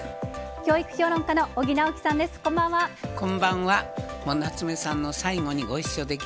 教育評論家の尾木直樹さんです。